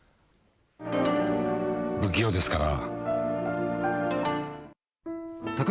不器用ですから。